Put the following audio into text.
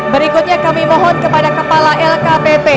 berikutnya kami mohon kepada kepala lkpp